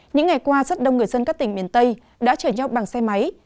những ngày qua rất đông người dân các tỉnh miền tây đã chở nhau bằng xe máy